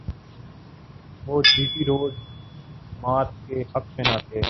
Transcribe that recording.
وہ G T Road march کے حق میں نہ تھے۔